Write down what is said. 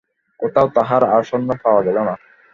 কোথাও তাহার আর সন্ধান পাওয়া গেল না।